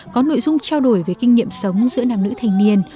có nội dung trao đổi về kinh nghiệm sống giữa nàm nữ thành niên